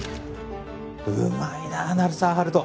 うまいな鳴沢温人